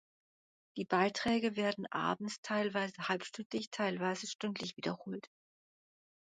Die Beiträge werden abends teilweise halbstündlich, teilweise stündlich wiederholt.